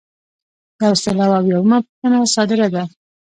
یو سل او اویایمه پوښتنه صادره ده.